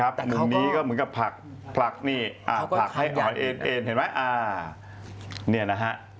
แบบนี้เหมือนกับผลักหอเอ็นเห็นไหม